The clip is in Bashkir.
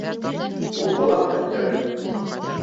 Ул бала ғына бит әле.